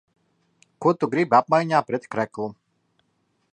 Ko tu gribi apmaiņā pret kreklu?